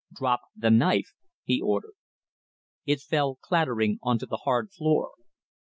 "Drop the knife," he ordered. It fell clattering on to the hard floor.